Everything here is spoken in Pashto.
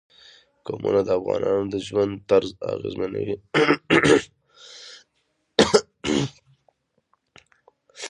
قومونه د افغانانو د ژوند طرز اغېزمنوي.